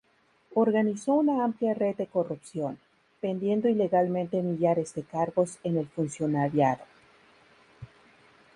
Organizó una amplia red de corrupción, vendiendo ilegalmente millares de cargos en el funcionariado.